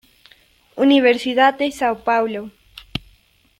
Universidad de São Paulo.